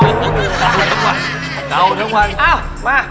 เก่าเท่าควัน